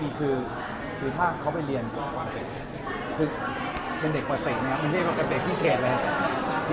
ไม่ได้คือถ้าเขาไปเรียนกับเด็กคือเป็นเด็กประเศษนะครับไม่ใช่เด็กพี่แชดเลย